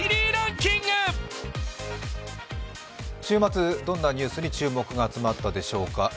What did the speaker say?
週末どんなニュースに注目が集まったでしょうか。